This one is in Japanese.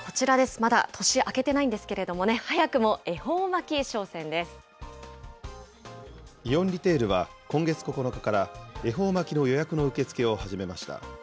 まだ年明けてないんですけれどもイオンリテールは、今月９日から恵方巻の予約の受け付けを始めました。